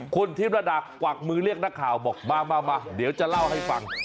คุณธิรดากวักมือเรียกนักข่าวบอกมาเดี๋ยวจะเล่าให้ฟัง